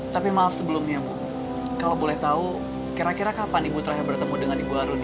tapi maaf sebelumnya bu kalau boleh tahu kira kira kapan ibu terakhir bertemu dengan ibu harun